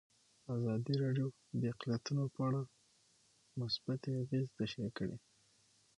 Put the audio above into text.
ازادي راډیو د اقلیتونه په اړه مثبت اغېزې تشریح کړي.